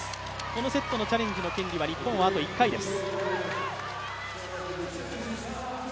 このセットのチャレンジの権利は日本はあと１回です。